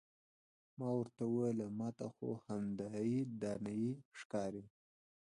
ما ورته وویل ما ته خو همدایې دانایي ښکاري.